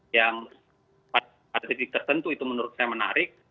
yang pada titik tertentu itu menurut saya menarik